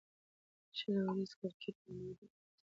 شل اووريز کرکټ د نندارې ډېره بازي ده.